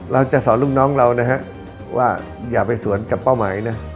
เราจะสอนลูกน้องเรานะฮะว่าอย่าไปสวนกับเป้าหมายนะ